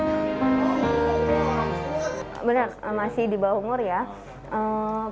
benar masih di bawah umur ya